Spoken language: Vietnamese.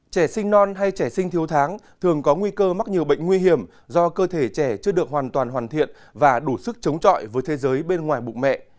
trẻ sinh non hay trẻ sinh thiếu tháng thường có nguy cơ mắc nhiều bệnh nguy hiểm do cơ thể trẻ chưa được hoàn toàn hoàn thiện và đủ sức chống trọi với thế giới bên ngoài bụng mẹ